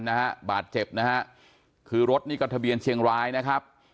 นะฮะบาดเจ็บนะฮะคือรถนี่ก็ทะเบียนเชียงรายนะครับ